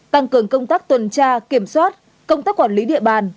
tăng cường công tác tuần tra kiểm soát công tác quản lý địa bàn